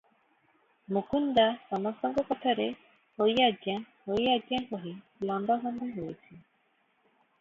ମୁକୁନ୍ଦା ସମସ୍ତଙ୍କ କଥାରେ ହୋଇ ଆଜ୍ଞା, ହୋଇ ଆଜ୍ଞା କହି ଲଣ୍ତଭଣ୍ତ ହେଉଛି ।